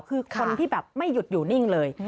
คือคนที่แบบไม่หยุดอยู่นิ่งเลย